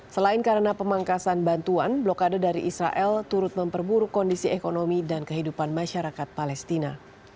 selain karena pemangkasan bantuan blokade dari israel turut memperburuk kondisi ekonomi dan kehidupan masyarakat palestina